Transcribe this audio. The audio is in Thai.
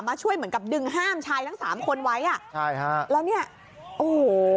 ช่วยเหมือนกับดึงห้ามชายทั้งสามคนไว้อ่ะใช่ฮะแล้วเนี่ยโอ้โห